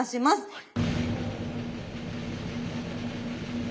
はい。